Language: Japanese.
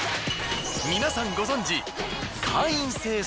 皆さんご存じ会員制